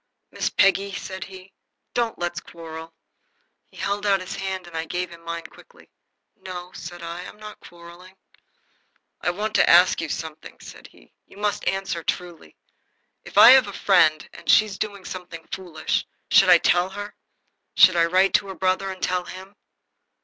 "Miss Peggy," said he, "don't let's quarrel." He held out his hand, and I gave him mine quickly. "No," said I, "I'm not quarrelling." "I want to ask you something," said he. "You must answer, truly. If I have a friend and she's doing something foolish, should I tell her? Should I write to her brother and tell him?"